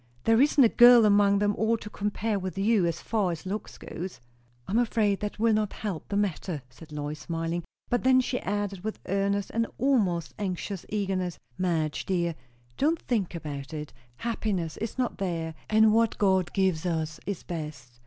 "There isn't a girl among them all to compare with you, as far as looks go." "I am afraid that will not help the matter," said Lois, smiling; but then she added with earnest and almost anxious eagerness, "Madge, dear, don't think about it! Happiness is not there; and what God gives us is best.